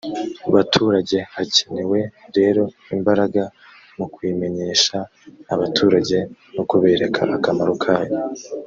baturage hakenewe rero imbaraga mu kuyimenyesha abaturage no kubereka akamaro kayo